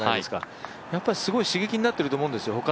すごい刺激になってると思うんですよ